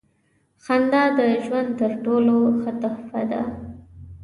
• خندا د ژوند تر ټولو ښه تحفه ده.